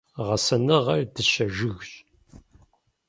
Гъэсэныгъэр дыщэ жыгщ.